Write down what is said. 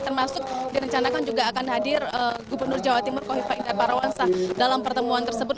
termasuk direncanakan juga akan hadir gubernur jawa timur koh ifah indah barawansa dalam pertemuan tersebut